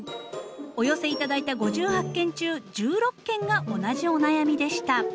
お寄せ頂いた５８件中１６件が同じお悩みでした。